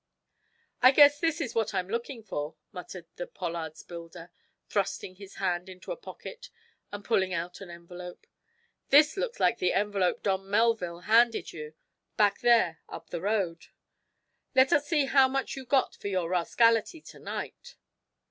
"I guess this is what I'm looking for," muttered the "Pollard's" builder, thrusting his hand into a pocket and pulling out an envelope. "This looks like the envelope Don Melville handed you, back there up the road. Let us see how much you got for your rascality to night."